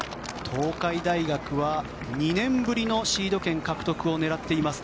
東海大学は２年ぶりのシード権獲得を狙っています。